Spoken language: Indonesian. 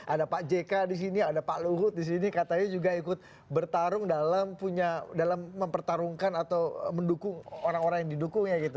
ada pak jk di sini ada pak luhut di sini katanya juga ikut bertarung dalam punya dalam mempertarungkan atau mendukung orang orang yang didukungnya gitu